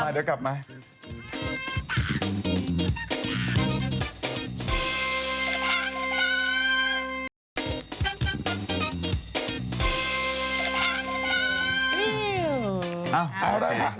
เอ้าจากนี้ค่ะงั้นเลยค่ะเนี่ยครับ